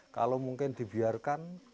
kalau mungkin dibiarkan